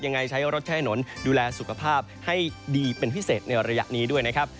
ใช้รถใช้ถนนดูแลสุขภาพให้ดีเป็นพิเศษในระยะนี้ด้วยนะครับ